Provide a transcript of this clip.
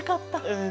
うん。